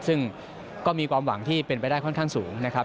ซึ่งก็มีความหวังที่เป็นไปได้ค่อนข้างสูงนะครับ